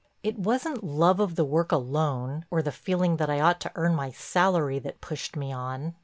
It wasn't love of the work alone, or the feeling that I ought to earn my salary, that pushed me on.